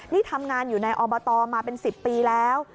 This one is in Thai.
นี่ทำงานอยู่ในอบตมาเป็น๑๐ปีแล้ว